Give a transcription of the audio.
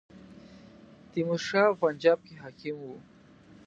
تیمور شاه په پنجاب کې حاکم وو.